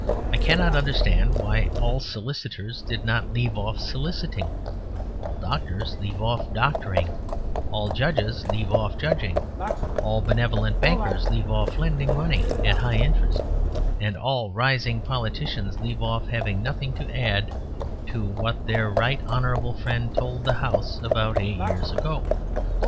I cannot understand why all solicitors did not leave off soliciting, all doctors leave off doctoring, all judges leave off judging, all benevolent bankers leave off lending money at high interest, and all rising politicians leave off having nothing to add to what their right honourable friend told the House about eight years ago.